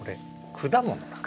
果物！？